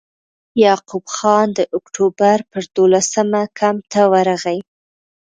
یعقوب خان د اکټوبر پر دولسمه کمپ ته ورغی.